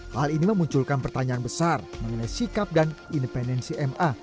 hal ini memunculkan pertanyaan besar mengenai sikap dan independensi ma